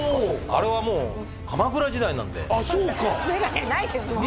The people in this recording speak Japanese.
あれはもう鎌倉時代なんでああそうか眼鏡ないですもんね